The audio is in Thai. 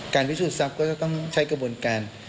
พิสูจนทรัพย์ก็จะต้องใช้กระบวนการ